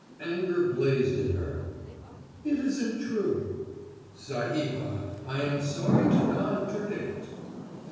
Anger blazed in her. "It isn't true!" "Sahibah, I am sorry to con tradict."